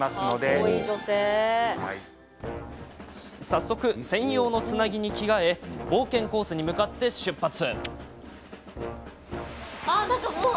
早速、専用のつなぎに着替え冒険コースに向かって出発。